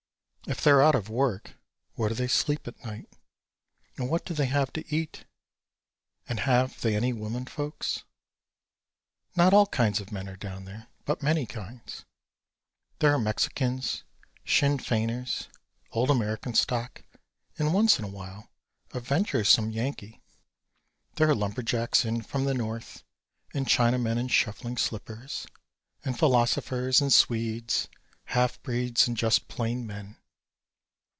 If they're out of work where do they sleep at night, and what do they have to eat? And have they any women folks? Not all kinds of men are down there, but many kinds. There are Mexicans, Sinn Feiners, old American stock, and once in awhile a venturesome Yankee. There are lumberjacks in from the North, and Chinamen in shuffling slippers, and philosophers and Swedes, half breeds and just plain men.